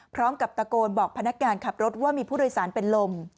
พร้อมกับตะโกนบอกพนักงานขับรถว่ามีผู้โดยสารเป็นลม